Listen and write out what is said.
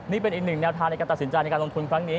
นี่เป็นอีกหนึ่งแนวทางในการตัดสินใจในการลงทุนครั้งนี้